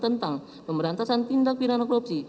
tentang pemberantasan tindak pidana korupsi